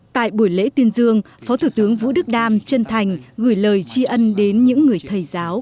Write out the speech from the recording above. tại buổi lễ tuyên dương phó thủ tướng vũ đức đam chân thành gửi lời tri ân đến những người thầy giáo